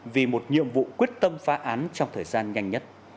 vì một nhiệm vụ quyết tâm phá án trong thời gian nhanh nhất